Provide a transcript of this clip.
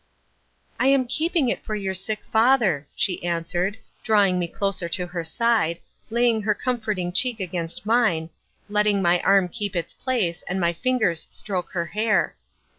"I am keeping it for your sick father," she answered, drawing me closer to her side, laying her comforting cheek against mine, letting my arm keep its place, and my fingers stroke her hair.